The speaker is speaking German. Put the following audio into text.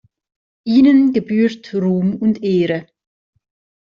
Ihnen gebührt Ruhm und Ehre.